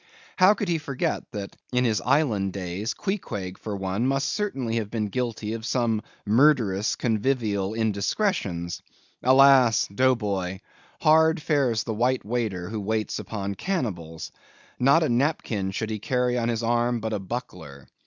How could he forget that in his Island days, Queequeg, for one, must certainly have been guilty of some murderous, convivial indiscretions. Alas! Dough Boy! hard fares the white waiter who waits upon cannibals. Not a napkin should he carry on his arm, but a buckler.